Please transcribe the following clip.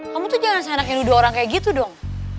kamu tuh jangan seenaknya dua orang kayak gitu dong